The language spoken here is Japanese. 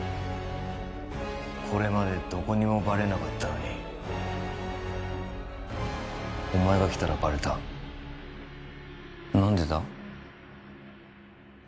これまでどこにもバレなかったのにお前が来たらバレた何でだ？